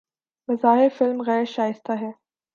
بظاہر فلم غیر شائستہ ہے